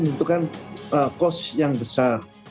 itu kan kos yang besar